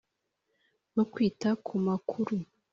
bwo kwita ku makuru